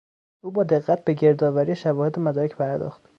او با دقت به گردآوری شواهد و مدارک پرداخت.